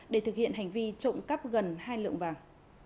để thực hiện hành vi trộm cắp gần hai lượng vàng